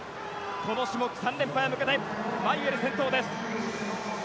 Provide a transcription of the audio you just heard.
この種目３連覇に向けてマニュエル、先頭です。